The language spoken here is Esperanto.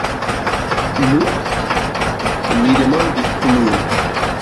Nu? li demandis plue.